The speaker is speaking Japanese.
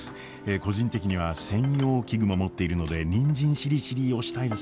個人的には専用器具も持っているのでにんじんしりしりーを推したいですね。